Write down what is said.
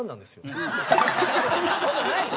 そんな事ないよ。